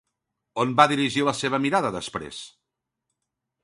On va dirigir la seva mirada després?